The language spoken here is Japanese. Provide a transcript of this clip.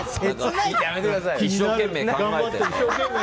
一生懸命考えて。